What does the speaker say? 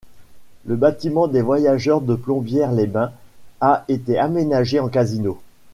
Le bâtiment des voyageurs de Plombières-les-Bains a été aménagé en casino.